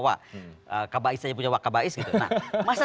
wakabais punya wakabais gitu nah masa